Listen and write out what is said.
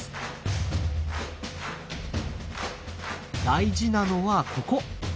大事なのはここ！